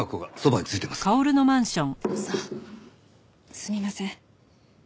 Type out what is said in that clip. すみません。